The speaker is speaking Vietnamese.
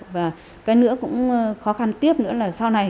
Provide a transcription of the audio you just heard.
và cái nữa cũng khó khăn tiếp nữa là sau này